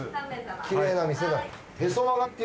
きれいな店だ。